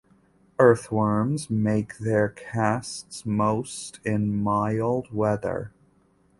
Earthworms make their casts most in mild weather.